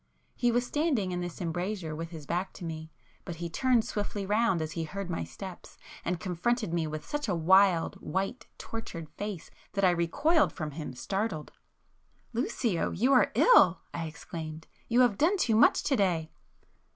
He was standing in this embrasure with his back to me, but he turned swiftly round as he heard my steps and confronted me with such a wild, white, tortured face that I recoiled from him, startled. "Lucio, you are ill!" I exclaimed—"you have done too much to day."